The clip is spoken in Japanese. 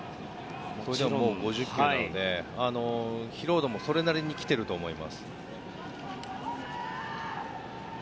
５０球なので、疲労度もそれなりに来てると思います。